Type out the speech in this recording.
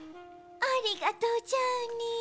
ありがとうジャーニー。